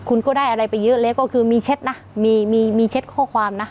คุณก็ได้อะไรไปเยอะแล้วก็คือมีเช็ดนะมีมีเช็ดข้อความนะ